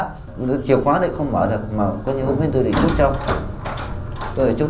thì em cũng khóa chìa khóa đấy không mở được mà có gì không ở bên tôi thì chốt trong tôi ở chốt trong tôi mới đi luôn là xong